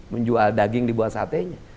menjual daging dibuat satenya